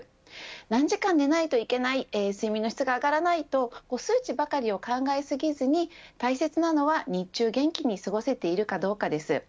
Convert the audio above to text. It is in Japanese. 何時間寝ないといけない睡眠の質が上がらないと数値ばかりを考え過ぎずに大切なのは、日中元気に過ごせているかどうかです。